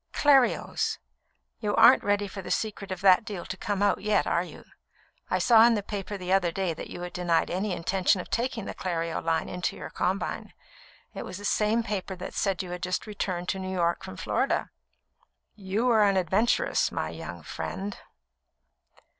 "Clerios. You aren't ready for the secret of that deal to come out yet, are you? I saw in the paper the other day that you had denied any intention of taking the Clerio line into your combine. It was the same paper that said you had just returned to New York from Florida." "You are an adventuress, my young friend."